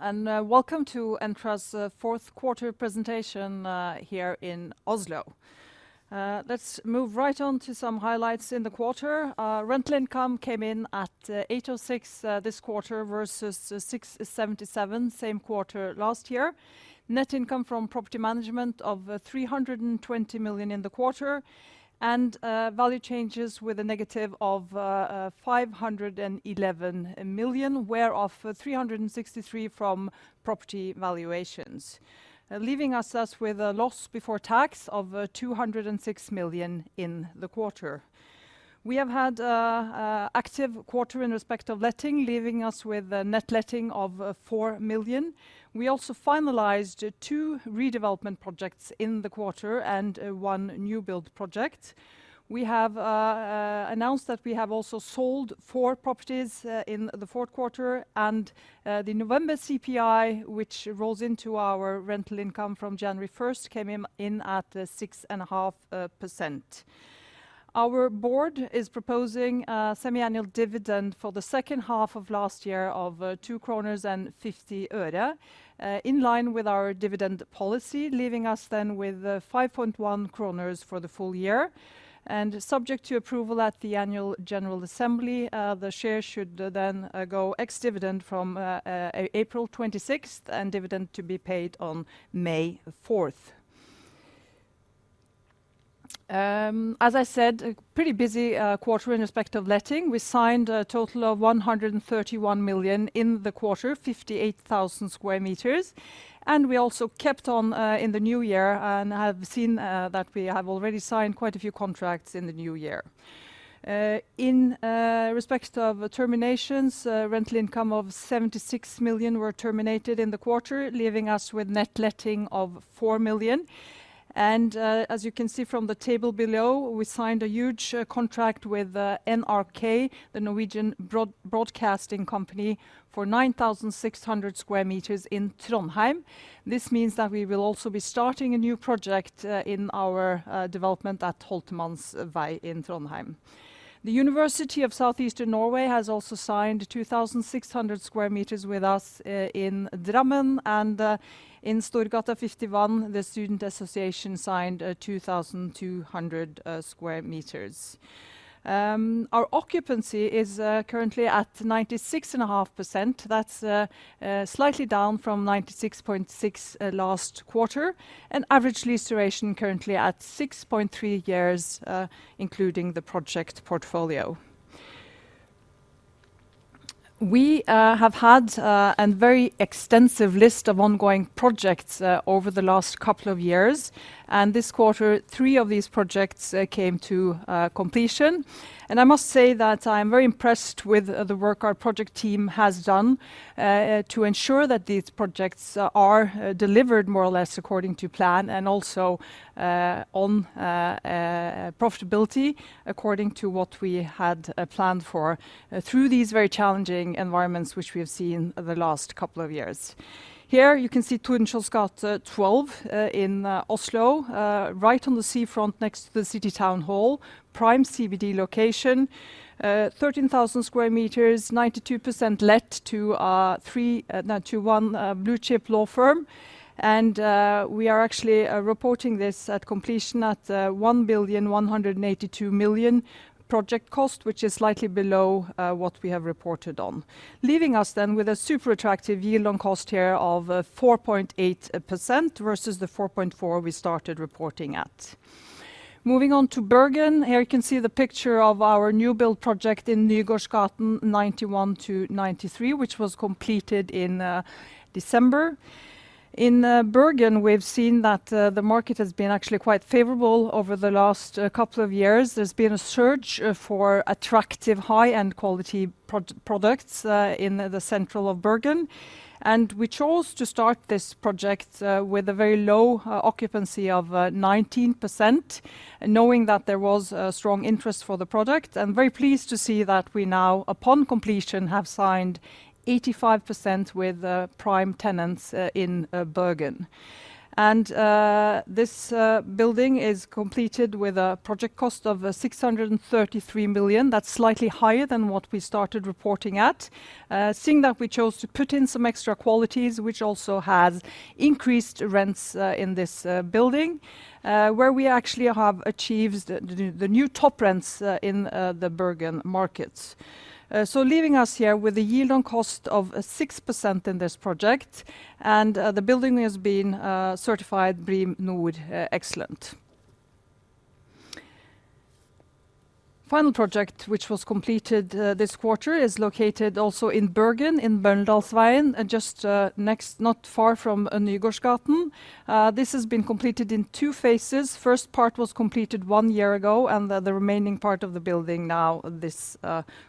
Welcome to Entra's fourth quarter presentation here in Oslo. Let's move right on to some highlights in the quarter. Rental income came in at 806 this quarter versus 677 same quarter last year. Net income from property management of 320 million in the quarter, value changes with a negative of 511 million, whereof 363 from property valuations. Leaving us as with a loss before tax of 206 million in the quarter. We have had active quarter in respect of letting, leaving us with a net letting of 4 million. We also finalized two redevelopment projects in the quarter and 1 new build project. We have announced that we have also sold four properties in the fourth quarter. The November CPI, which rolls into our rental income from January 1st, came in at 6.5%. Our board is proposing a semiannual dividend for the second half of last year of 2.50 kroner, in line with our dividend policy, leaving us then with 5.10 kroner for the full-year. Subject to approval at the annual general assembly, the share should then go ex-dividend from April 26th and dividend to be paid on May 4th. As I said, a pretty busy quarter in respect of letting. We signed a total of 131 million in the quarter, 58,000 sq m. We also kept on in the new year and have seen that we have already signed quite a few contracts in the new year. In respect of terminations, rental income of 76 million were terminated in the quarter, leaving us with net letting of 4 million. As you can see from the table below, we signed a huge contract with NRK, the Norwegian broadcasting company, for 9,600 sq m in Trondheim. This means that we will also be starting a new project in our development at Holtermanns vei in Trondheim. The University of South-Eastern Norway has also signed 2,600 sq m with us in Drammen and in Storgata 51, the student association signed 2,200 sq m. Our occupancy is currently at 96.5%. That's slightly down from 96.6 last quarter. Average lease duration currently at 6.3 years, including the project portfolio. We have had a very extensive list of ongoing projects over the last couple of years. This quarter, three of these projects came to completion. I must say that I am very impressed with the work our project team has done to ensure that these projects are delivered more or less according to plan and also on profitability according to what we had planned for through these very challenging environments which we have seen the last couple of years. Here you can see Tunsbergs gate 12 in Oslo, right on the seafront next to the city town hall, prime CBD location. 13,000 sq m, 92% let to 1 blue chip law firm. We are actually reporting this at completion at 1,182 million project cost, which is slightly below what we have reported on. Leaving us then with a super attractive yield on cost here of 4.8% versus the 4.4% we started reporting at. Moving on to Bergen. Here you can see the picture of our new build project in Nygårdsgaten 91-93, which was completed in December. In Bergen, we've seen that the market has been actually quite favorable over the last couple of years. There's been a surge for attractive high-end quality products in the central of Bergen. We chose to start this project with a very low occupancy of 19%, knowing that there was a strong interest for the product. I'm very pleased to see that we now, upon completion, have signed 85% with prime tenants in Bergen. This building is completed with a project cost of 633 million. That's slightly higher than what we started reporting at. Seeing that we chose to put in some extra qualities which also has increased rents in this building, where we actually have achieved the new top rents in the Bergen markets. Leaving us here with a yield on cost of 6% in this project, the building has been certified BREEAM-NOR Excellent. Final project which was completed this quarter is located also in Bergen in Bøndalsveien, just not far from Nygårdsgaten. This has been completed in two phases. First part was completed one year ago, and the remaining part of the building now this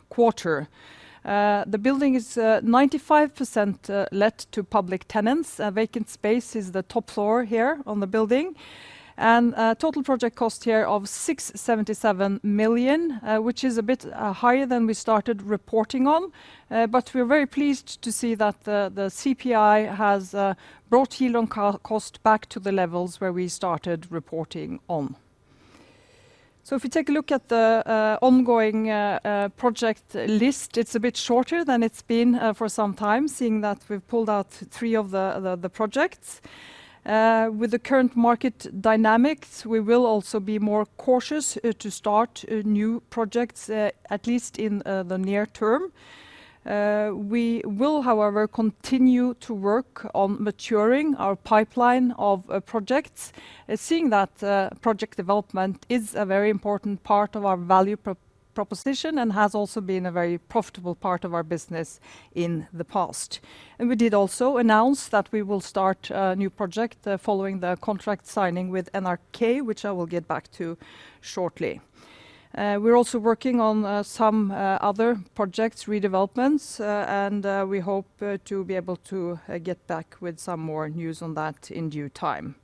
quarter. The building is 95% let to public tenants. Vacant space is the top floor here on the building. Total project cost here of 677 million, which is a bit higher than we started reporting on. We're very pleased to see that the CPI has brought yield on cost back to the levels where we started reporting on. If you take a look at the ongoing project list, it's a bit shorter than it's been for some time, seeing that we've pulled out three of the projects. With the current market dynamics, we will also be more cautious to start new projects at least in the near term. We will, however, continue to work on maturing our pipeline of projects, seeing that project development is a very important part of our value proposition and has also been a very profitable part of our business in the past. We did also announce that we will start a new project following the contract signing with NRK, which I will get back to shortly. We're also working on some other projects, redevelopments, and we hope to be able to get back with some more news on that in due time.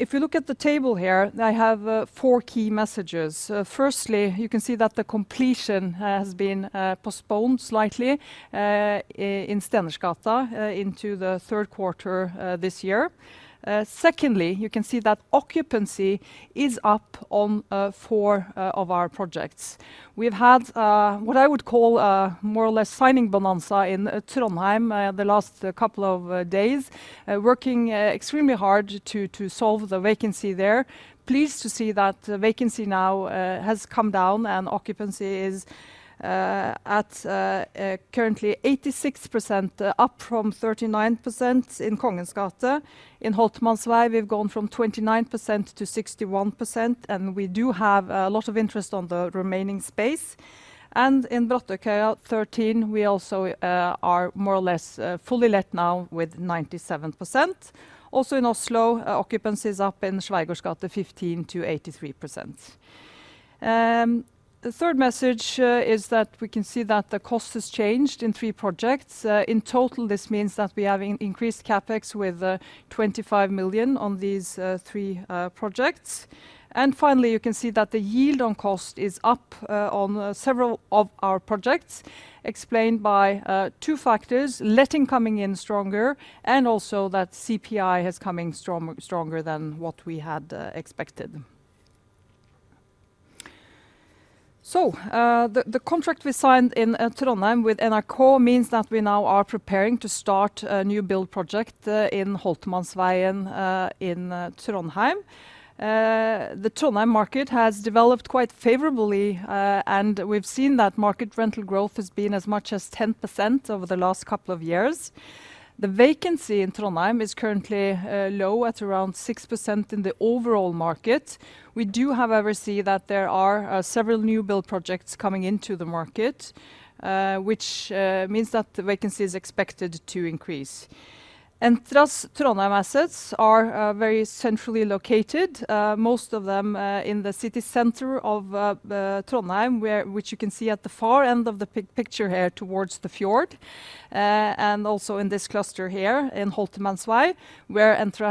If you look at the table here, I have four key messages. Firstly, you can see that the completion has been postponed slightly in Stensgata into the third quarter this year. Secondly, you can see that occupancy is up on four of our projects. We've had what I would call a more or less signing bonanza in Trondheim the last couple of days, working extremely hard to solve the vacancy there. Pleased to see that vacancy now has come down and occupancy is at currently 86%, up from 39% in Kongens gate. In Holtermanns vei we've gone from 29%-61%, and we do have a lot of interest on the remaining space. In Brattørkaia 13, we also are more or less fully let now with 97%. Also in Oslo, occupancy is up in Schweigaards gate 15%-83%. The third message is that we can see that the cost has changed in three projects. In total, this means that we have increased CapEx with 25 million on these three projects. Finally, you can see that the yield on cost is up on several of our projects explained by two factors: letting coming in stronger and also that CPI has coming stronger than what we had expected. The contract we signed in Trondheim with NRK means that we now are preparing to start a new build project in Holtermanns vegen in Trondheim. The Trondheim market has developed quite favorably, and we've seen that market rental growth has been as much as 10% over the last couple of years. The vacancy in Trondheim is currently low at around 6% in the overall market. We do, however, see that there are several new build projects coming into the market, which means that the vacancy is expected to increase. Entra's Trondheim assets are very centrally located, most of them in the city center of Trondheim, which you can see at the far end of the picture here towards the fjord. Also in this cluster here in Holtermanns vei, where Entra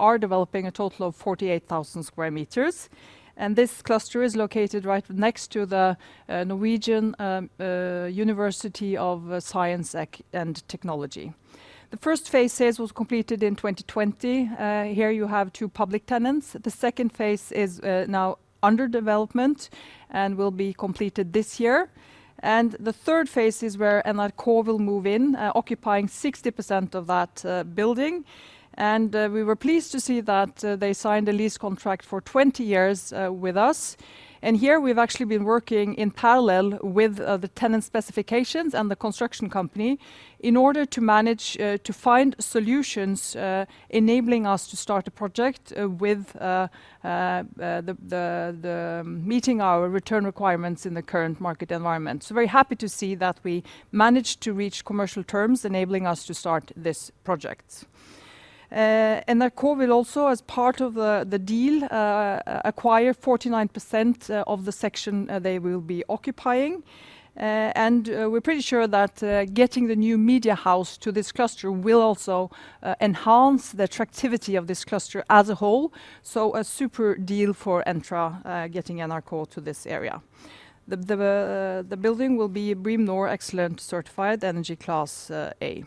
are developing a total of 48,000 sq m. This cluster is located right next to the Norwegian University of Science and Technology. The first phases was completed in 2020. Here you have two public tenants. The second phase is now under development and will be completed this year. The third phase is where NRK will move in, occupying 60% of that building. We were pleased to see that they signed a lease contract for 20 years with us. Here we've actually been working in parallel with the tenant specifications and the construction company in order to manage to find solutions enabling us to start a project with the meeting our return requirements in the current market environment. Very happy to see that we managed to reach commercial terms enabling us to start this project. NRK will also as part of the deal acquire 49% of the section they will be occupying. We're pretty sure that getting the new media house to this cluster will also enhance the attractivity of this cluster as a whole. A super deal for Entra getting NRK to this area. The building will be BREEAM-NOR Excellent certified Energy Class A.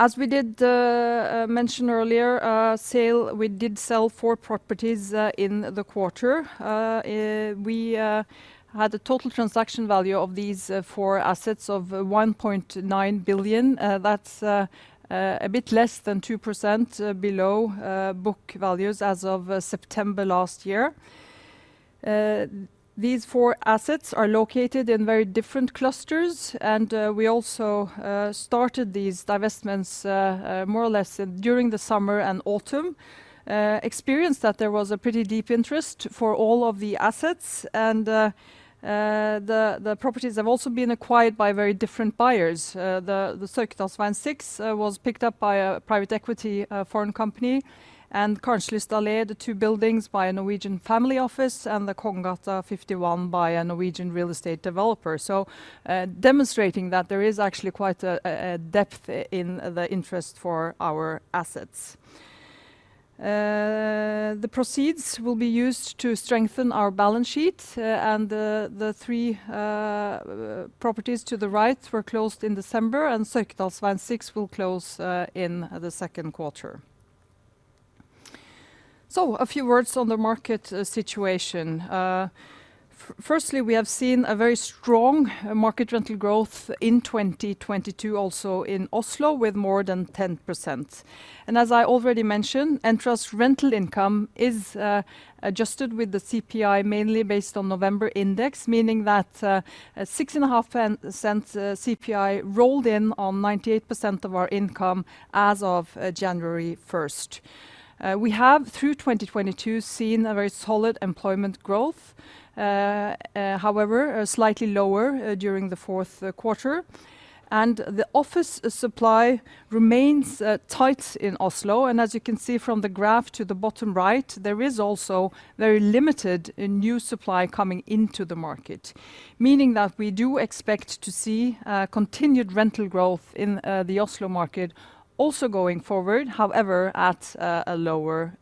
As we did mention earlier, sale, we did sell four properties in the quarter. We had a total transaction value of these four assets of 1.9 billion. That's a bit less than 2% below book values as of September last year. These four assets are located in very different clusters. We also started these divestments more or less during the summer and autumn. Experienced that there was a pretty deep interest for all of the assets and the properties have also been acquired by very different buyers. The Sørkedalsveien six was picked up by a private equity foreign company, and Karenslyst Allé the two buildings by a Norwegian family office and the Kongens gate 51 by a Norwegian real estate developer. Demonstrating that there is actually quite a depth in the interest for our assets. The proceeds will be used to strengthen our balance sheet, and the three properties to the right were closed in December, and Sagveien six will close in the second quarter. A few words on the market situation. Firstly, we have seen a very strong market rental growth in 2022, also in Oslo with more than 10%. As I already mentioned, Entra's rental income is adjusted with the CPI mainly based on November index, meaning that a six and a half cents CPI rolled in on 98% of our income as of January 1st. We have, through 2022, seen a very solid employment growth. However, a slightly lower during the fourth quarter. The office supply remains tight in Oslo. As you can see from the graph to the bottom right, there is also very limited in new supply coming into the market, meaning that we do expect to see continued rental growth in the Oslo market also going forward, however, at a lower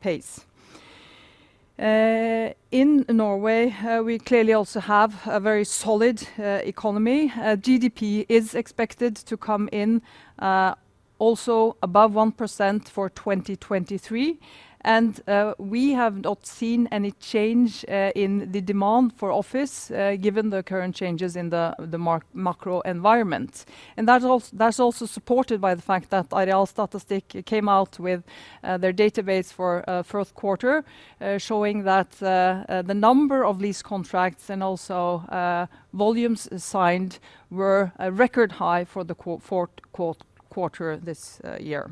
pace. In Norway, we clearly also have a very solid economy. GDP is expected to come in also above 1% for 2023. We have not seen any change in the demand for office given the current changes in the macro environment. That's also supported by the fact that Statistics Norway came out with their database for fourth quarter showing that the number of lease contracts and also volumes signed were a record high for the fourth quarter this year.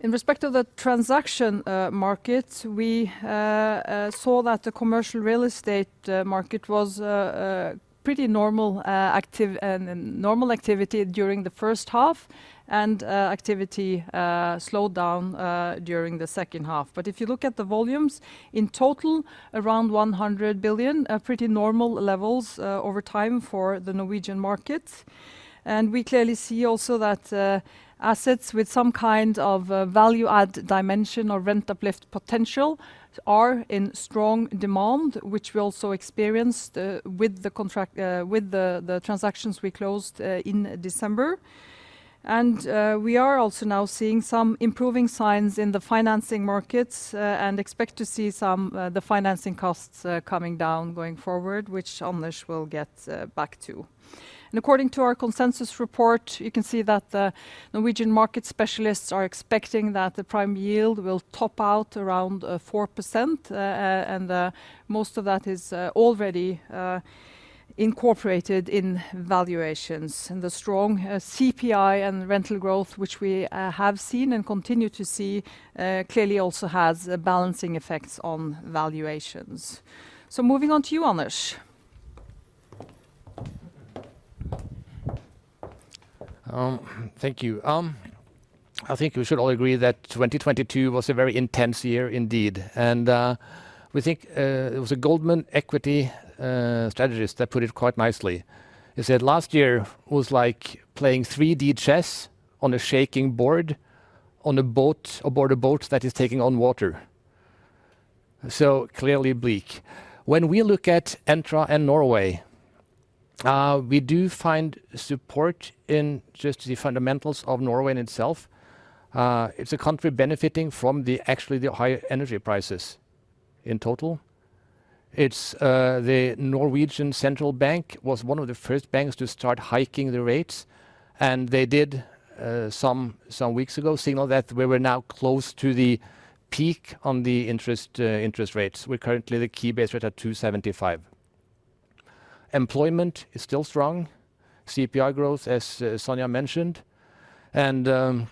In respect to the transaction market, we saw that the commercial real estate market was pretty normal, active and normal activity during the first half, activity slowed down during the second half. If you look at the volumes, in total, around 100 billion, pretty normal levels over time for the Norwegian markets. We clearly see also that assets with some kind of a value add dimension or rent uplift potential are in strong demand, which we also experienced with the transactions we closed in December. We are also now seeing some improving signs in the financing markets and expect to see the financing costs coming down going forward, which Anders will get back to. According to our consensus report, you can see that the Norwegian market specialists are expecting that the prime yield will top out around 4%, and most of that is already incorporated in valuations. The strong, CPI and rental growth, which we, have seen and continue to see, clearly also has balancing effects on valuations. Moving on to you, Anders. Thank you. I think we should all agree that 2022 was a very intense year indeed. We think it was a Goldman Sachs equity strategist that put it quite nicely. He said, "Last year was like playing 3D chess on a shaking board aboard a boat that is taking on water." Clearly bleak. When we look at Entra and Norway, we do find support in just the fundamentals of Norway in itself. It's a country benefiting from the actually the higher energy prices in total. The Norges Bank was one of the first banks to start hiking the rates, and they did some weeks ago signal that we were now close to the peak on the interest rates. We're currently the key base rate at 2.75%. Employment is still strong. CPI growth, as Sonja mentioned, and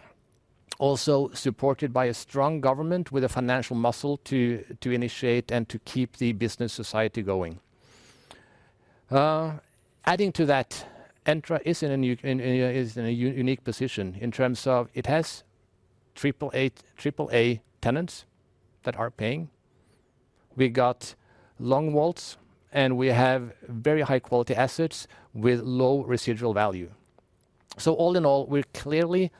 also supported by a strong government with a financial muscle to initiate and to keep the business society going. Adding to that, Entra is in a unique position in terms of it has AAA tenants that are paying. We got long WAULT, we have very high quality assets with low residual value. All in all, we're clearly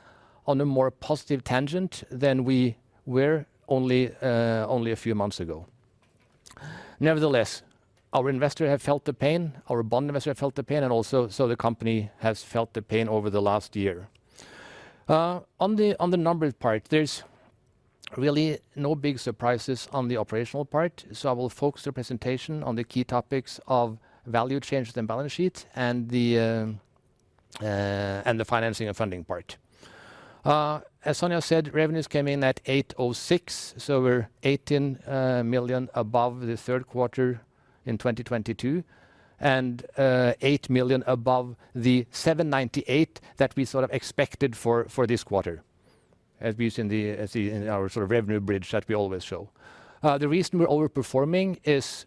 on a more positive tangent than we were only a few months ago. Nevertheless, our investor have felt the pain, our bond investor have felt the pain, and also so the company has felt the pain over the last year. On the numbers part, there's really no big surprises on the operational part, I will focus the presentation on the key topics of value changes in balance sheet and the financing and funding part. As Sonja said, revenues came in at 806 million, we're 18 million above the third quarter in 2022, and 8 million above the 798 million that we sort of expected for this quarter, as we see in our sort of revenue bridge that we always show. The reason we're overperforming is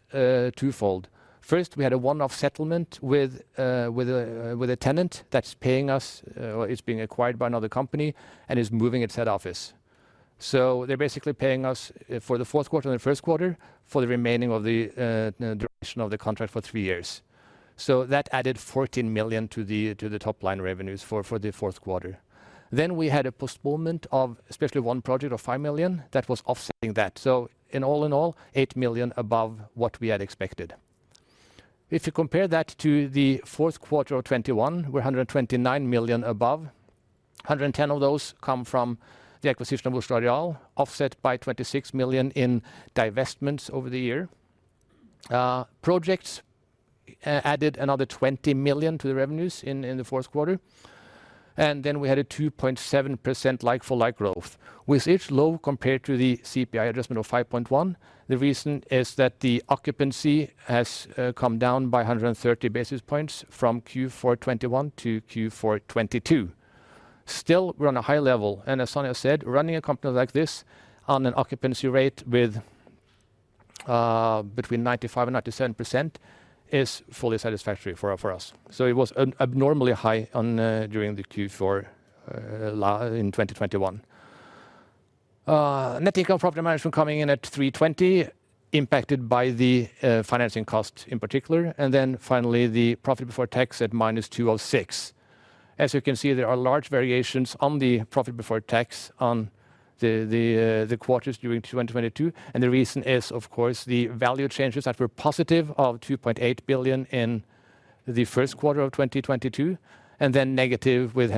twofold. First, we had a one-off settlement with a tenant that's paying us or is being acquired by another company and is moving its head office. They're basically paying us for the fourth quarter and the first quarter for the remaining of the duration of the contract for three years. That added 14 million to the top line revenues for the fourth quarter. We had a postponement of especially one project of 5 million that was offsetting that. In all in all, 8 million above what we had expected. If you compare that to the fourth quarter of 2021, we're 129 million above. 110 million of those come from the acquisition of Oslo Areal, offset by 26 million in divestments over the year. Projects added another 20 million to the revenues in the fourth quarter. We had a 2.7% like-for-like growth, which is low compared to the CPI adjustment of 5.1%. The reason is that the occupancy has come down by 130 basis points from Q4 2021 to Q4 2022. We're on a high level, and as Sonja said, running a company like this on an occupancy rate with between 95% and 97% is fully satisfactory for us. It was abnormally high during the Q4 in 2021. Net income profit margin coming in at 320, impacted by the financing cost in particular. Finally, the profit before tax at -206. As you can see, there are large variations on the profit before tax on the quarters during 2022. The reason is, of course, the value changes that were positive of 2.8 billion in Q1 2022, then negative with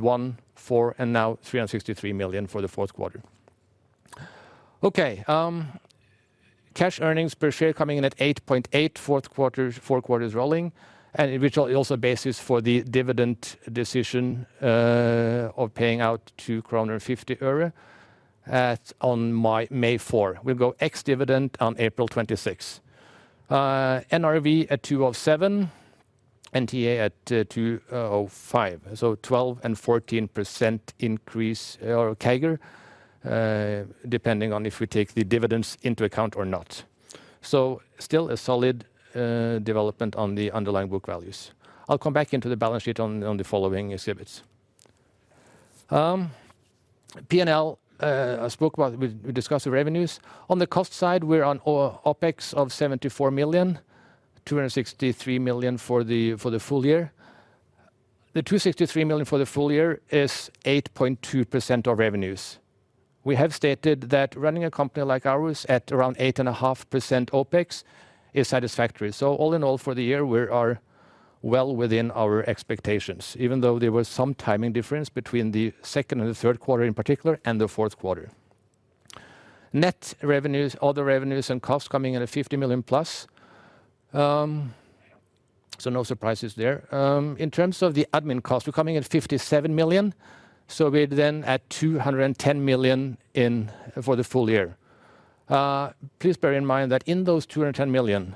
one, four, and now NOK 363 million for Q4. Cash earnings per share coming in at 8.8 Q4, four quarters rolling, which also basis for the dividend decision of paying out NOK 2.50 on May 4. We'll go ex-dividend on April 26th. NRV at 207, NTA at 205. 12% and 14% increase or CAGR, depending on if we take the dividends into account or not. Still a solid development on the underlying book values. I'll come back into the balance sheet on the following exhibits. P&L, I spoke about, we discussed the revenues. On the cost side, we're on OPEX of 74 million, 263 million for the full-year. The 263 million for the full-year is 8.2% of revenues. We have stated that running a company like ours at around 8.5% OPEX is satisfactory. All in all, for the year, we are well within our expectations, even though there was some timing difference between the second and the third quarter in particular and the fourth quarter. Net revenues, other revenues and costs coming in at 50 million plus, so no surprises there. In terms of the admin cost, we're coming in at 57 million, so we're then at 210 million in for the full-year. Please bear in mind that in those 210 million,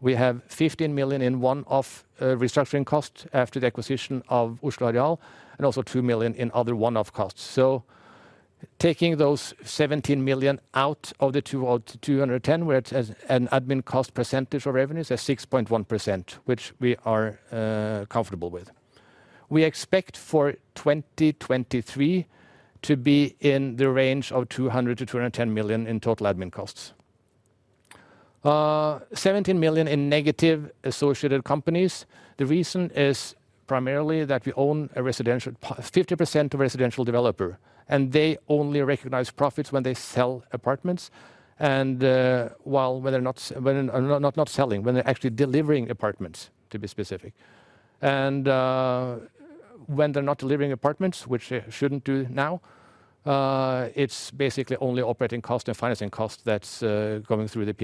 we have 15 million in one of restructuring costs after the acquisition of Oslo Areal, and also 2 million in other one-off costs. Taking those 17 million out of the 210 million, where it's as an admin cost percentage of revenues is 6.1%, which we are comfortable with. We expect for 2023 to be in the range of 200 million-210 million in total admin costs. 17 million in negative associated companies. The reason is primarily that we own a residential 50% of residential developer, they only recognize profits when they sell apartments, while when they're not selling, when they're actually delivering apartments, to be specific. When they're not delivering apartments, which they shouldn't do now, it's basically only operating cost and financing cost that's going through the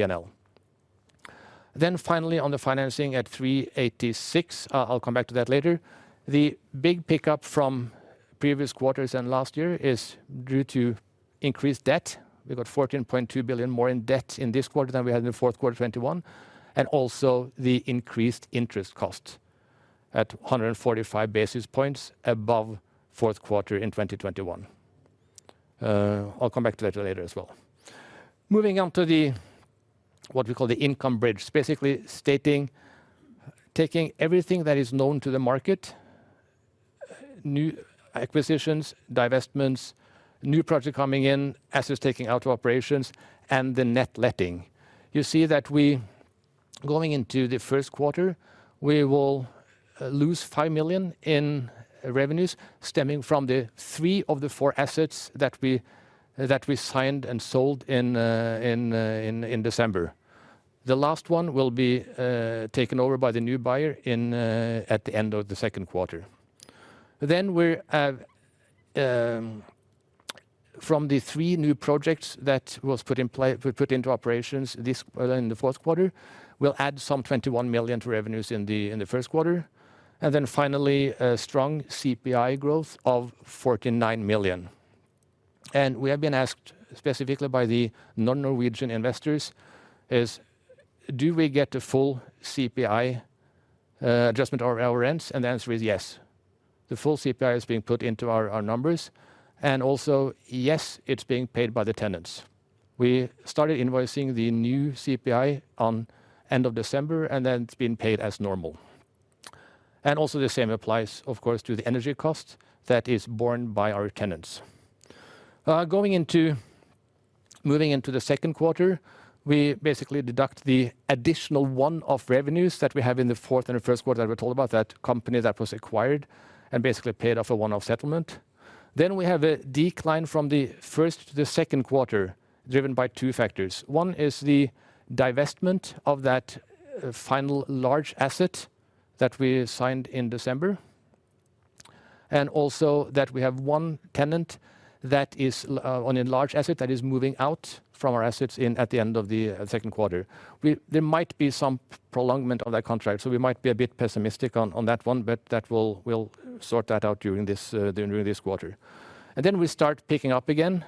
P&L. Finally on the financing at 386, I'll come back to that later. The big pickup from previous quarters and last year is due to increased debt. We've got 14.2 billion more in debt in this quarter than we had in the fourth quarter of 2021, and also the increased interest cost at 145 basis points above fourth quarter in 2021. I'll come back to that later as well. Moving on to the what we call the income bridge, basically taking everything that is known to the market, new acquisitions, divestments, new projects coming in, assets taking out of operations, and the net letting. You see that we, going into the first quarter, we will lose 5 million in revenues stemming from the three of the four assets that we signed and sold in December. The last one will be taken over by the new buyer at the end of the second quarter. We're from the three new projects that was put into operations in the fourth quarter, we'll add some 21 million to revenues in the first quarter. Finally, a strong CPI growth of 49 million. We have been asked specifically by the non-Norwegian investors, do we get the full CPI adjustment of our rents? The answer is yes. The full CPI is being put into our numbers. Yes, it's being paid by the tenants. We started invoicing the new CPI on end of December, and then it's being paid as normal. The same applies, of course, to the energy cost that is borne by our tenants. Moving into the second quarter, we basically deduct the additional one-off revenues that we have in the fourth and the first quarter that we told about that company that was acquired and basically paid off a one-off settlement. We have a decline from the first to the second quarter driven by two factors. One is the divestment of that final large asset that we signed in December, and also that we have one tenant that is on a large asset that is moving out from our assets at the end of the second quarter. There might be some prolongment of that contract, so we might be a bit pessimistic on that one, but that we'll sort that out during this quarter. Then we start picking up again,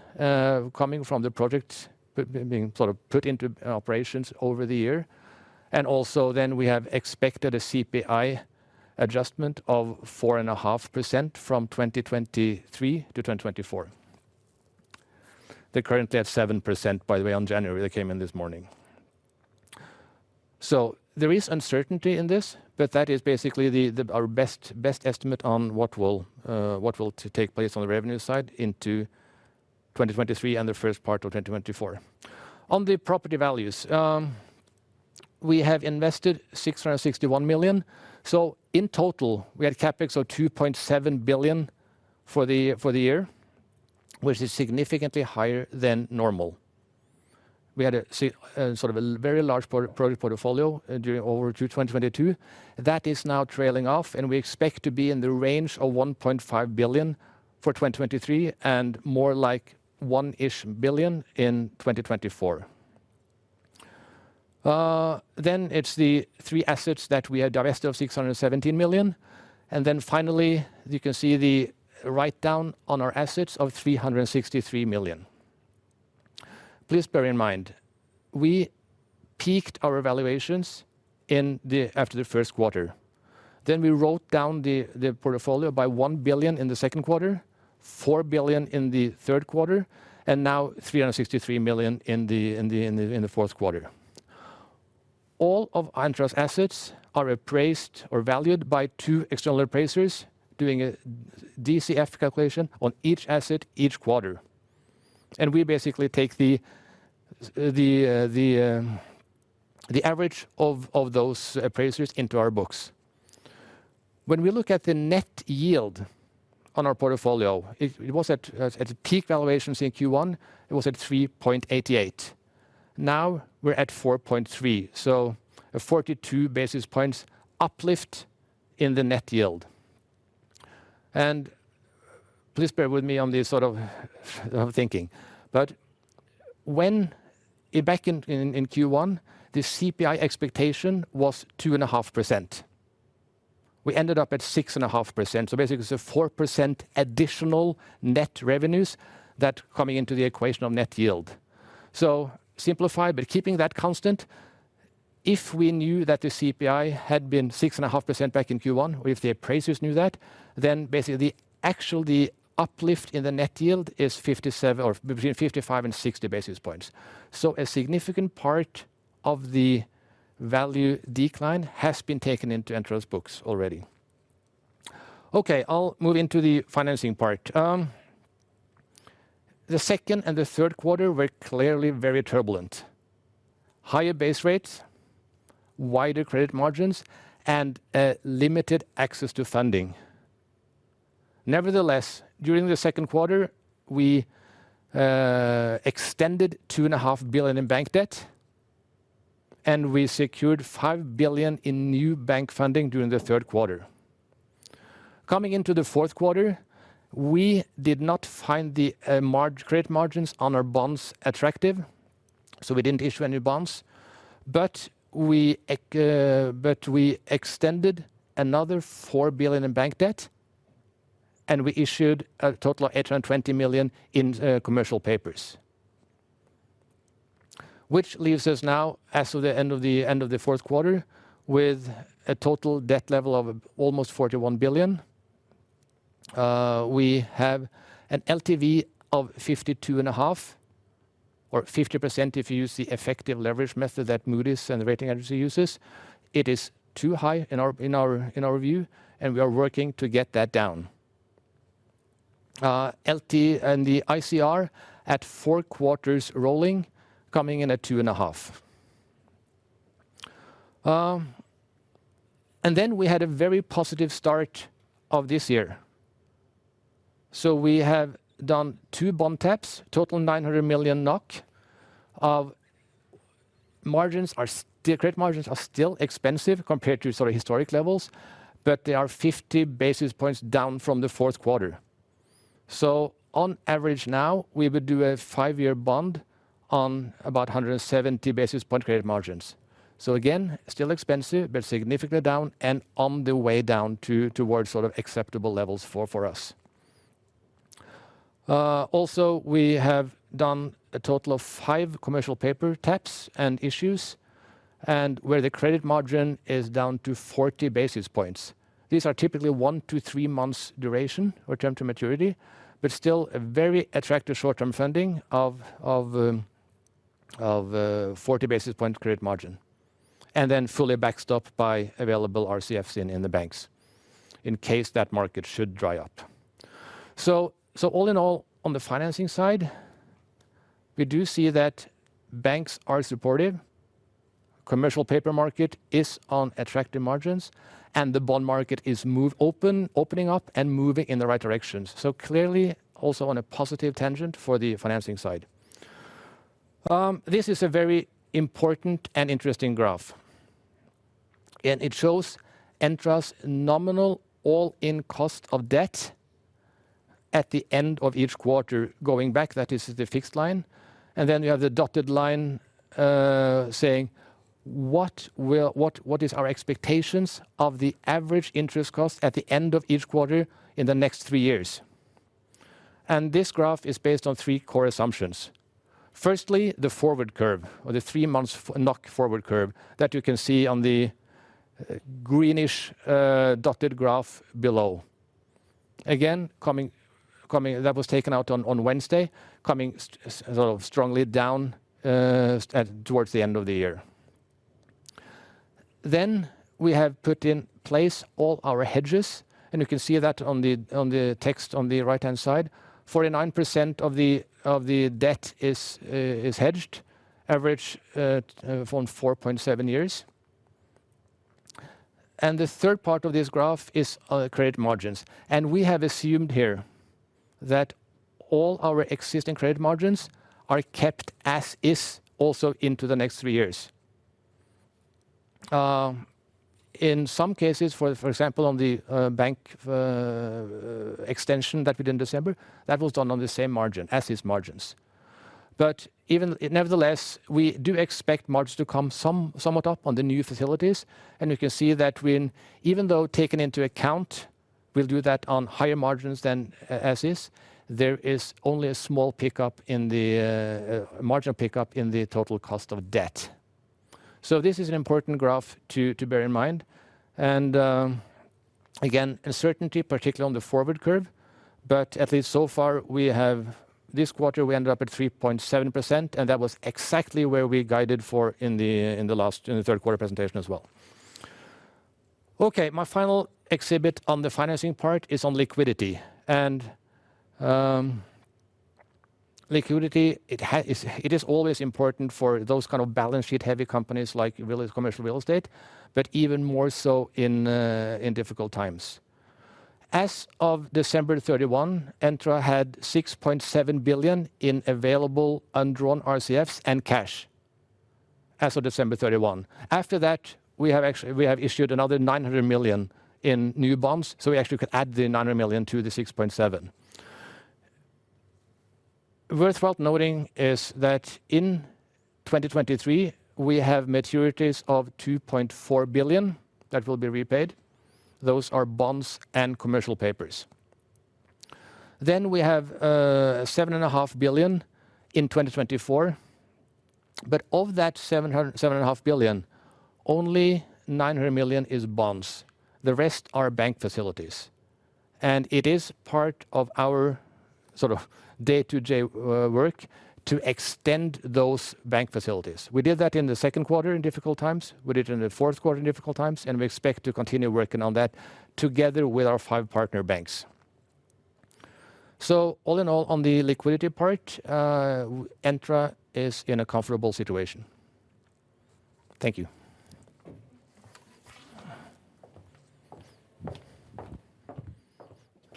coming from the projects being sort of put into operations over the year. Also then we have expected a CPI adjustment of 4.5% from 2023-2024. They're currently at 7% by the way on January. They came in this morning. There is uncertainty in this, but that is basically the our best estimate on what will take place on the revenue side into 2023 and the first part of 2024. On the property values, we have invested 661 million. In total, we had CapEx of 2.7 billion for the year, which is significantly higher than normal. We had sort of a very large product portfolio through 2022. That is now trailing off, and we expect to be in the range of 1.5 billion for 2023 and more like one-ish billion in 2024. It's the three assets that we had divested of 617 million. Finally, you can see the write-down on our assets of 363 million. Please bear in mind, we peaked our evaluations after the first quarter. We wrote down the portfolio by 1 billion in the second quarter, 4 billion in the third quarter, and now 363 million in the fourth quarter. All of Entra's assets are appraised or valued by two external appraisers doing a DCF calculation on each asset each quarter. We basically take the average of those appraisers into our books. When we look at the net yield on our portfolio, it was at peak valuations in Q1, it was at 3.88. Now we're at 4.3, so a 42 basis points uplift in the net yield. Please bear with me on this sort of thinking. Back in Q1, the CPI expectation was 2.5%. We ended up at 6.5%, basically it's a 4% additional net revenues that coming into the equation of net yield. Simplified, but keeping that constant, if we knew that the CPI had been 6.5% back in Q1, or if the appraisers knew that, basically the uplift in the net yield is 57 or between 55 and 60 basis points. A significant part of the value decline has been taken into Entra's books already. Okay, I'll move into the financing part. The second and the third quarter were clearly very turbulent. Higher base rates, wider credit margins, and limited access to funding. Nevertheless, during the second quarter, we extended 2.5 billion in bank debt, and we secured 5 billion in new bank funding during the third quarter. Coming into the fourth quarter, we did not find the credit margins on our bonds attractive, so we didn't issue any bonds. We extended another 4 billion in bank debt, and we issued a total of 820 million in commercial papers. Leaves us now, as of the end of the fourth quarter, with a total debt level of almost 41 billion. We have an LTV of 52.5%, or 50% if you use the effective leverage method that Moody's and the rating agency uses. It is too high in our view, and we are working to get that down. LT and the ICR at four quarters rolling, coming in at 2.5. Then we had a very positive start of this year. We have done two bond taps, total 900 million NOK of. The credit margins are still expensive compared to sort of historic levels, but they are 50 basis points down from the fourth quarter. On average now, we would do a five-year bond on about 170 basis point credit margins. Again, still expensive, but significantly down and on the way down towards sort of acceptable levels for us. Also we have done a total of five commercial paper taps and issues and where the credit margin is down to 40 basis points. These are typically one to three months duration or term to maturity, but still a very attractive short-term funding of 40 basis point credit margin, and then fully backstop by available RCFs in the banks in case that market should dry up. All in all, on the financing side, we do see that banks are supportive, commercial paper market is on attractive margins, and the bond market is move open, opening up and moving in the right direction. Clearly also on a positive tangent for the financing side. This is a very important and interesting graph, and it shows Entra's nominal all-in cost of debt at the end of each quarter going back. That is the fixed line. Then you have the dotted line saying, what is our expectations of the average interest cost at the end of each quarter in the next three years? This graph is based on three core assumptions. Firstly, the forward curve or the three months NOK forward curve that you can see on the greenish dotted graph below. Again, coming. That was taken out on Wednesday, coming sort of strongly down at towards the end of the year. We have put in place all our hedges, and you can see that on the text on the right-hand side. 49% of the debt is hedged, average from 4.7 years. The third part of this graph is credit margins. We have assumed here that all our existing credit margins are kept as is also into the next three years. In some cases, for example, on the bank extension that we did in December, that was done on the same margin as is margins. Nevertheless, we do expect margins to come somewhat up on the new facilities, and you can see that when even though taken into account, we'll do that on higher margins than as is. There is only a small pickup in the margin pickup in the total cost of debt. This is an important graph to bear in mind. Again, uncertainty, particularly on the forward curve. At least so far we have this quarter we ended up at 3.7%, and that was exactly where we guided for in the last, in the third quarter presentation as well. Okay. My final exhibit on the financing part is on liquidity. Liquidity it's, it is always important for those kind of balance sheet-heavy companies like commercial real estate, but even more so in difficult times. As of December 31, Entra had 6.7 billion in available undrawn RCFs and cash, as of December 31. After that, we have actually, we have issued another 900 million in new bonds, we actually could add the 900 million to the 6.7 billion. Worthwhile noting is that in 2023 we have maturities of 2.4 billion that will be repaid. Those are bonds and commercial papers. We have 7.5 billion in 2024, of that 7.5 billion, only 900 million is bonds. The rest are bank facilities. It is part of our sort of day-to-day work to extend those bank facilities. We did that in the second quarter in difficult times. We did it in the fourth quarter in difficult times, and we expect to continue working on that together with our five partner banks. All in all, on the liquidity part, Entra is in a comfortable situation. Thank you.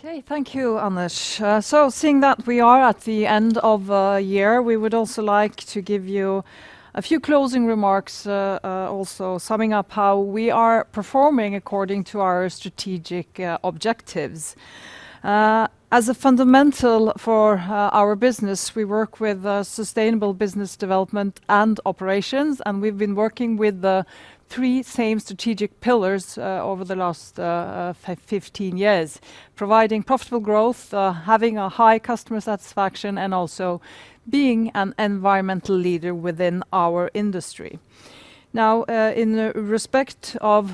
Okay. Thank you, Anders. Seeing that we are at the end of year, we would also like to give you a few closing remarks, also summing up how we are performing according to our strategic objectives. As a fundamental for our business, we work with sustainable business development and operations, and we've been working with the three same strategic pillars over the last 15 years. Providing profitable growth, having a high customer satisfaction, and also being an environmental leader within our industry. Now, in the respect of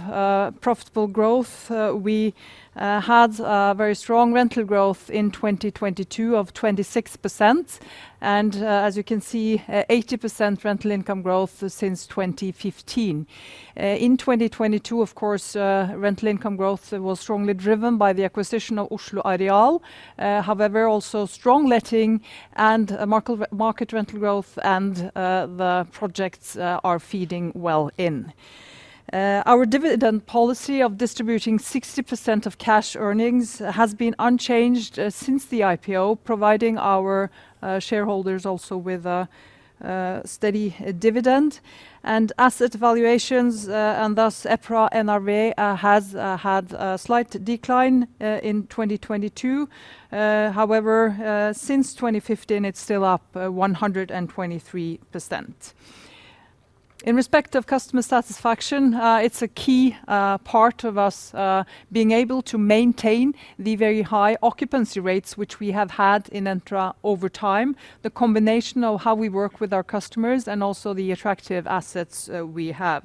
profitable growth, we had a very strong rental growth in 2022 of 26% and, as you can see, 80% rental income growth since 2015. In 2022, of course, rental income growth was strongly driven by the acquisition of Oslo Areal. However, also strong letting and market rental growth, and the projects are feeding well in. Our dividend policy of distributing 60% of cash earnings has been unchanged since the IPO, providing our shareholders also with a steady dividend. Asset valuations, and thus EPRA NRV, has had a slight decline in 2022. However, since 2015, it's still up 123%. In respect of customer satisfaction, it's a key part of us being able to maintain the very high occupancy rates which we have had in Entra over time. The combination of how we work with our customers and also the attractive assets we have.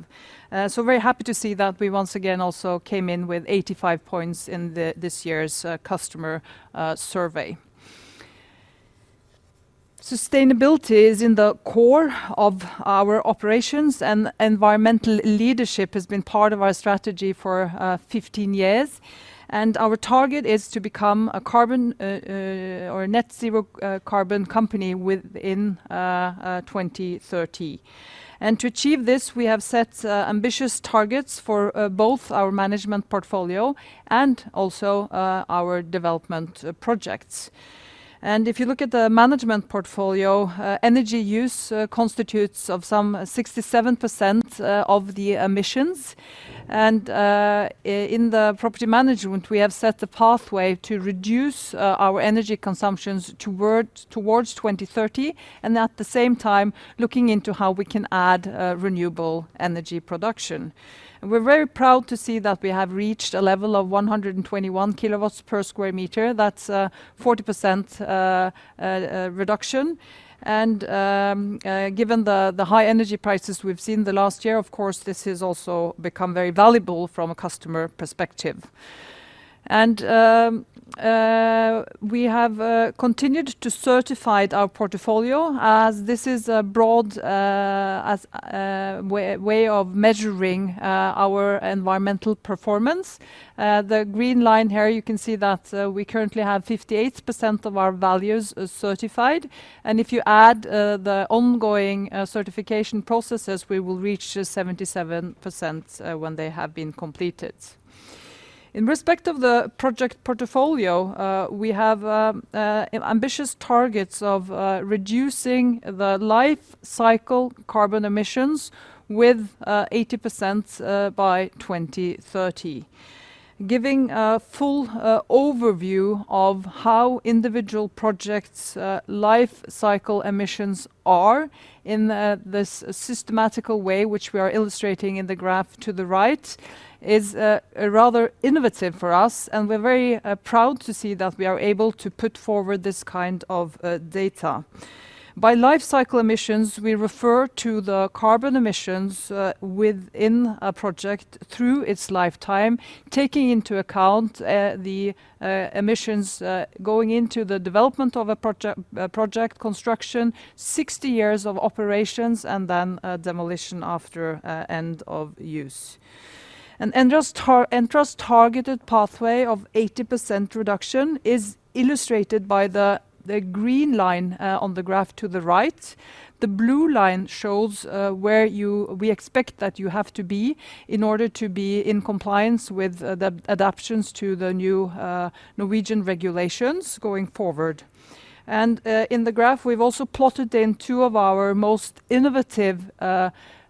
Very happy to see that we once again also came in with 85 points in the, this year's, customer survey. Sustainability is in the core of our operations. Environmental leadership has been part of our strategy for 15 years. Our target is to become a carbon, or net zero carbon company within 2030. To achieve this, we have set ambitious targets for both our management portfolio and also our development projects. If you look at the management portfolio, energy use constitutes of some 67% of the emissions. In the property management, we have set the pathway to reduce our energy consumptions towards 2030 and at the same time looking into how we can add renewable energy production. We're very proud to see that we have reached a level of 121 kW per sq m. That's 40% reduction. Given the high energy prices we've seen the last year, of course, this has also become very valuable from a customer perspective. We have continued to certified our portfolio, as this is a broad way of measuring our environmental performance. The green line here, you can see that we currently have 58% of our values, is certified. If you add the ongoing certification processes, we will reach 77% when they have been completed. In respect of the project portfolio, we have ambitious targets of reducing the life cycle carbon emissions with 80% by 2030. Giving a full overview of how individual projects' life cycle emissions are in a systematical way, which we are illustrating in the graph to the right, is a rather innovative for us, and we're very proud to see that we are able to put forward this kind of data. By life cycle emissions, we refer to the carbon emissions within a project through its lifetime, taking into account the emissions going into the development of a project construction, 60 years of operations, and then demolition after end of use. Entra's targeted pathway of 80% reduction is illustrated by the green line on the graph to the right. The blue line shows where we expect that you have to be in order to be in compliance with the adaptions to the new Norwegian regulations going forward. In the graph, we've also plotted in two of our most innovative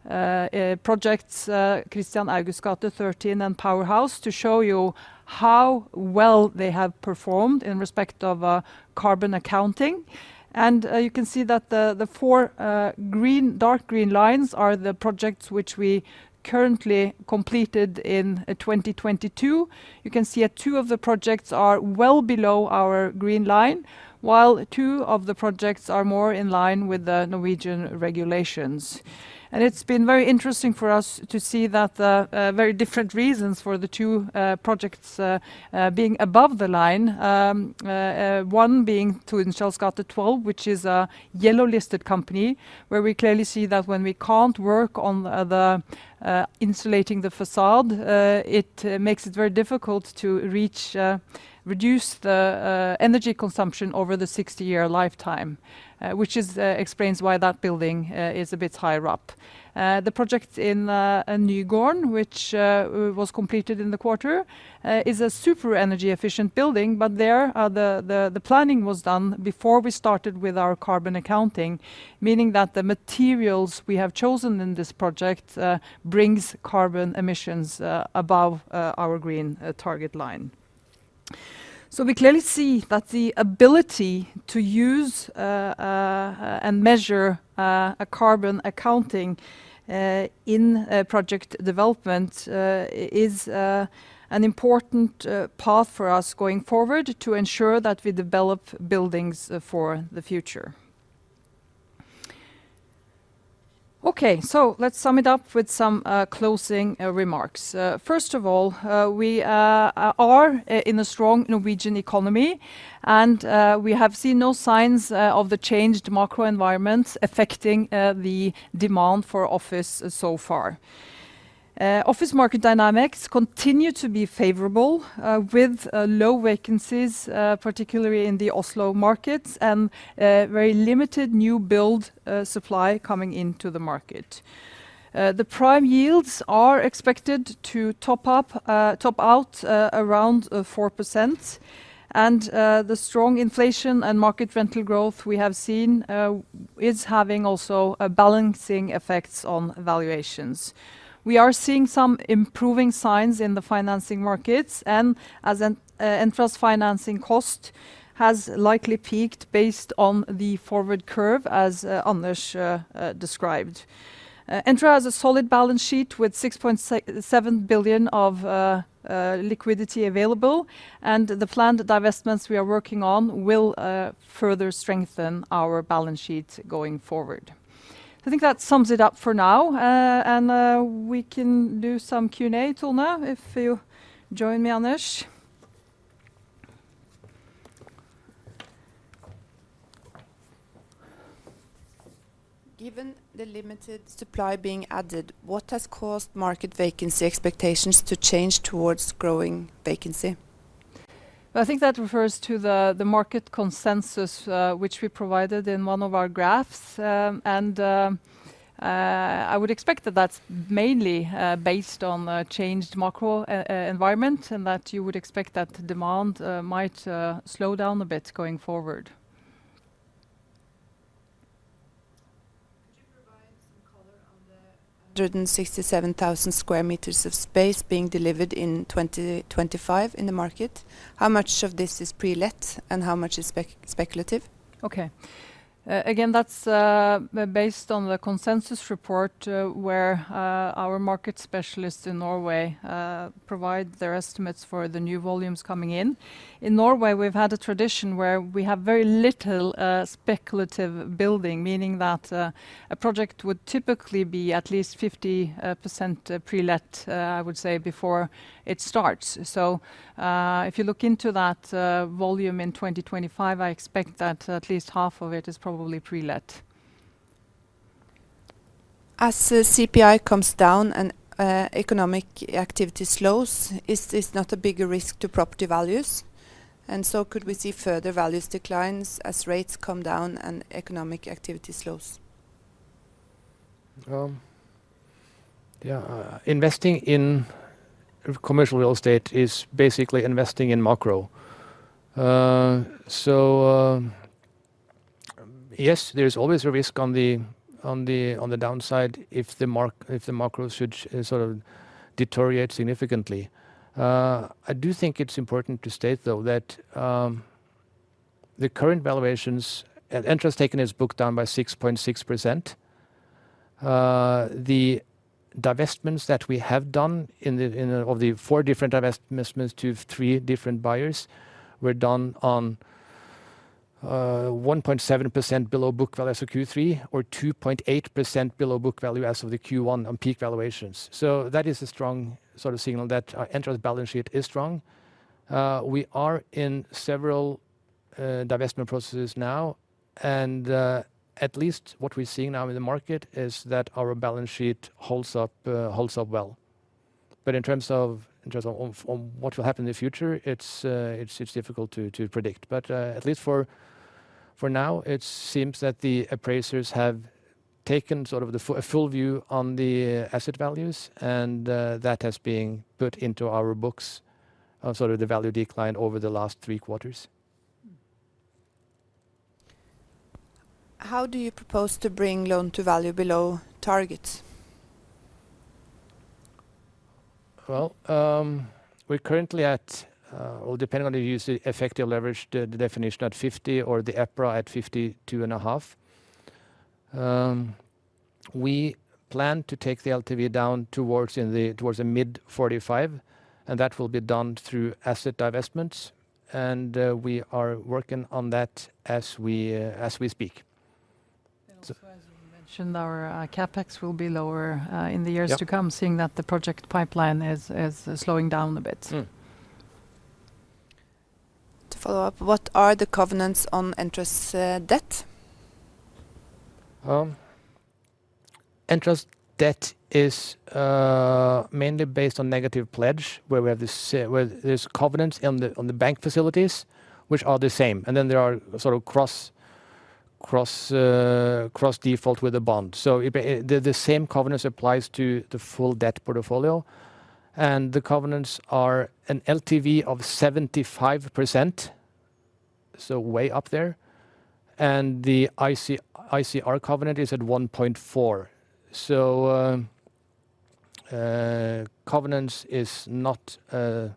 projects, Kristian Augusts gate 13 and Powerhouse, to show you how well they have performed in respect of carbon accounting. You can see that the four green, dark green lines are the projects which we currently completed in 2022. You can see that two of the projects are well below our green line, while two of the projects are more in line with the Norwegian regulations. It's been very interesting for us to see that the very different reasons for the two projects being above the line. One being Tunsbergs gate 12, which is a yellow listed company, where we clearly see that when we can't work on the insulating the facade, it makes it very difficult to reach, reduce the energy consumption over the 60-year lifetime, which explains why that building is a bit higher up. The project in Nygaten, which was completed in the quarter, is a super energy efficient building, but there the planning was done before we started with our carbon accounting, meaning that the materials we have chosen in this project brings carbon emissions above our green target line. We clearly see that the ability to use and measure a carbon accounting in project development is an important path for us going forward to ensure that we develop buildings for the future. Let's sum it up with some closing remarks. First of all, we are in a strong Norwegian economy, and we have seen no signs of the changed macro environment affecting the demand for office so far. Office market dynamics continue to be favorable with low vacancies, particularly in the Oslo markets and very limited new build supply coming into the market. The prime yields are expected to top up, top out, around 4%. The strong inflation and market rental growth we have seen is having also a balancing effects on valuations. We are seeing some improving signs in the financing markets and as Entra's financing cost has likely peaked based on the forward curve, as Anders described. Entra has a solid balance sheet with 6.7 billion of liquidity available, and the planned divestments we are working on will further strengthen our balance sheet going forward. I think that sums it up for now, we can do some Q&A, Tone, if you join me, Anders. Given the limited supply being added, what has caused market vacancy expectations to change towards growing vacancy? Well, I think that refers to the market consensus, which we provided in one of our graphs. I would expect that that's mainly based on a changed macro environment, and that you would expect that demand might slow down a bit going forward. Could you provide some color on the 167,000 sq m of space being delivered in 2025 in the market? How much of this is pre-let and how much is speculative? Okay. Again, that's based on the consensus report, where our market specialists in Norway provide their estimates for the new volumes coming in. In Norway, we've had a tradition where we have very little speculative building, meaning that a project would typically be at least 50% pre-let, I would say, before it starts. If you look into that volume in 2025, I expect that at least half of it is probably pre-let. As the CPI comes down and economic activity slows, is this not a bigger risk to property values? Could we see further values declines as rates come down and economic activity slows? Yeah. Investing in commercial real estate is basically investing in macro. Yes, there is always a risk on the downside if the macro should sort of deteriorate significantly. I do think it's important to state, though, that the current valuations at Entra is taken as booked down by 6.6%. The divestments that we have done of the four different divestments to three different buyers were done on 1.7% below book value as of Q3 or 2.8% below book value as of the Q1 on peak valuations. That is a strong sort of signal that Entra's balance sheet is strong. We are in several divestment processes now, and at least what we're seeing now in the market is that our balance sheet holds up well. In terms of what will happen in the future, it's difficult to predict. At least for now, it seems that the appraisers have taken sort of a full view on the asset values, and that has been put into our books as sort of the value decline over the last three quarters. How do you propose to bring loan to value below targets? Well, we're currently at, or depending on if you use the effective leverage de-definition at 50 or the EPRA at 52.5. We plan to take the LTV down towards a mid 45, and that will be done through asset divestments, and we are working on that as we speak. also as we mentioned, our CapEx will be lower in the years to come. Yep Seeing that the project pipeline is slowing down a bit. Mm. To follow up, what are the covenants on Entra's debt? Entra's debt is mainly based on negative pledge, where we have this, where there's covenants on the bank facilities which are the same. Then there are sort of cross-default with the bond. The same covenants applies to the full debt portfolio. The covenants are an LTV of 75%, so way up there. The ICR covenant is at 1.4. Covenants is not a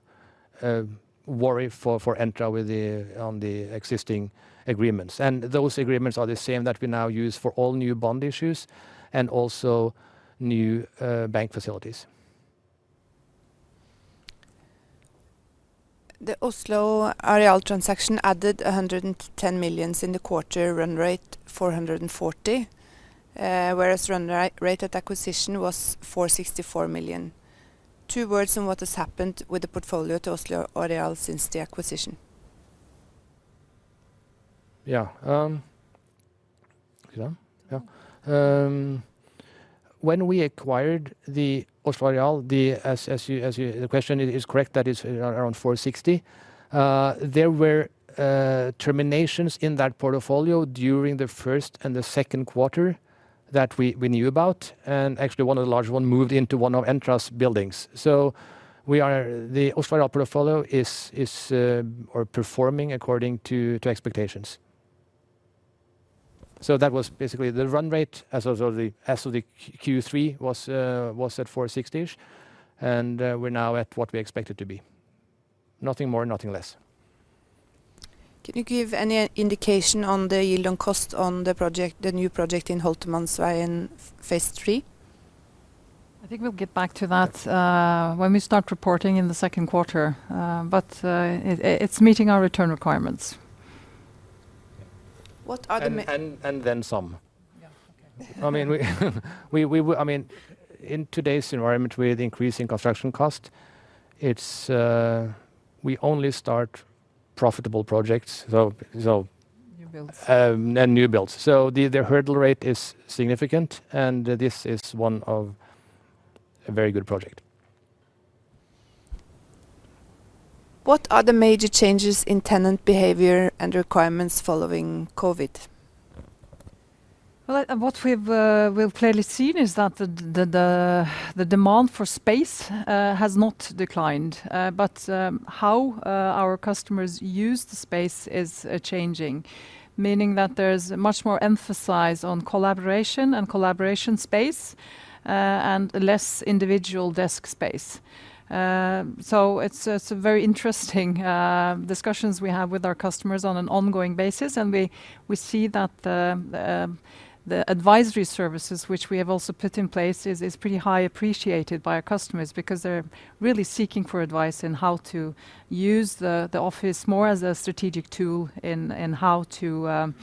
worry for Entra with the, on the existing agreements. Those agreements are the same that we now use for all new bond issues and also new bank facilities. The Oslo Areal transaction added 110 millions in the quarter run rate 440. Whereas run rate at acquisition was 464 million. Two words on what has happened with the portfolio to Oslo Areal since the acquisition. Yeah. Yeah. When we acquired the Oslo Areal, as you, the question is correct, that is around 460. There were terminations in that portfolio during the first and the second quarter that we knew about. Actually one of the large one moved into one of Entra's buildings. The Oslo Areal portfolio is performing according to expectations. That was basically the run rate as of the Q3 was at 460-ish, and we're now at what we expect it to be. Nothing more, nothing less. Can you give any indication on the yield on cost on the project, the new project in Holtermanns vegen phase III? I think we'll get back to that, when we start reporting in the second quarter. It's meeting our return requirements. What are the? Then some. Yeah. Okay. I mean, we I mean, in today's environment with increasing construction cost, it's, we only start profitable projects. New builds. And new builds. The hurdle rate is significant, and this is one of a very good project. What are the major changes in tenant behavior and requirements following COVID? What we've clearly seen is that the demand for space has not declined. How our customers use the space is changing. Meaning that there's much more emphasis on collaboration and collaboration space and less individual desk space. It's a very interesting discussions we have with our customers on an ongoing basis, and we see that the advisory services which we have also put in place is pretty high appreciated by our customers because they're really seeking for advice in how to use the office more as a strategic tool in how to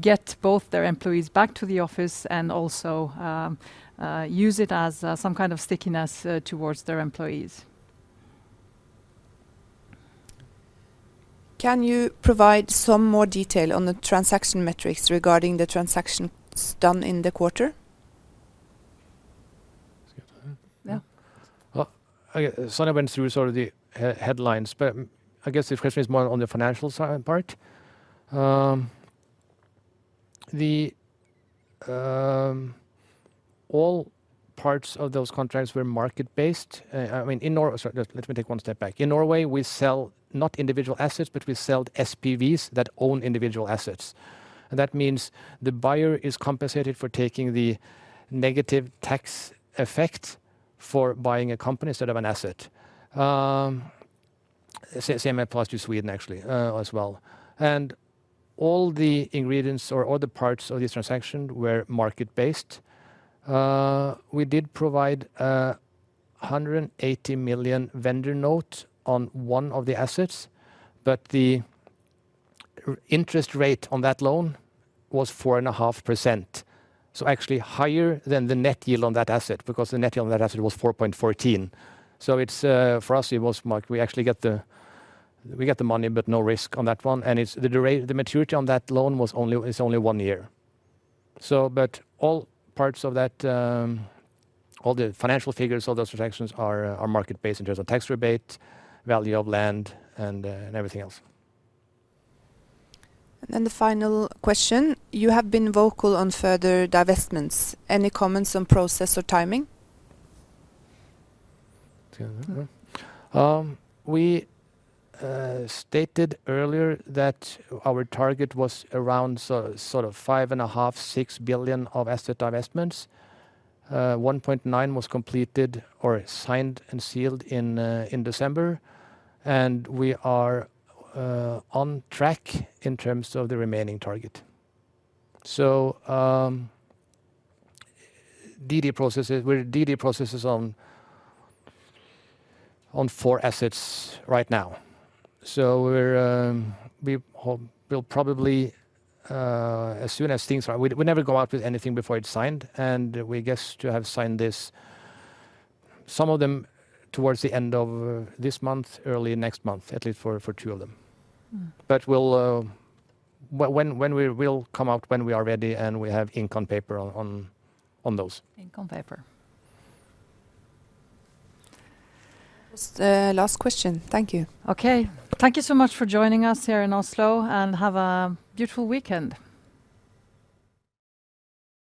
get both their employees back to the office and also use it as some kind of stickiness towards their employees. Can you provide some more detail on the transaction metrics regarding the transactions done in the quarter? You want that? Yeah. Well, I guess Sonja went through sort of the headlines, I guess the question is more on the financial part. The, all parts of those contracts were market-based. I mean, Sorry, just let me take one step back. In Norway, we sell not individual assets, we sell SPVs that own individual assets. That means the buyer is compensated for taking the negative tax effect for buying a company instead of an asset. Same applies to Sweden actually, as well. All the ingredients or all the parts of this transaction were market-based. We did provide 180 million vendor note on one of the assets, the interest rate on that loan was 4.5%, so actually higher than the net yield on that asset because the net yield on that asset was 4.14. It's for us it was mark. We actually get the money but no risk on that one, and the maturity on that loan was only, is only one year. All parts of that, all the financial figures of those transactions are market based in terms of tax rebate, value of land, and everything else. The final question, you have been vocal on further divestments. Any comments on process or timing? Do you want that one? We stated earlier that our target was around sort of 5.5 billion-6 billion of asset divestments. 1.9 billion was completed or signed and sealed in December, and we are on track in terms of the remaining target. DD processes on four assets right now. We'll probably as soon as things are... We never go out with anything before it's signed, and we guess to have signed this, some of them towards the end of this month, early next month, at least for two of them. Mm-hmm. We'll, when we will come out when we are ready, and we have ink on paper on those. Ink on paper. That was the last question. Thank you. Okay. Thank you so much for joining us here in Oslo. Have a beautiful weekend.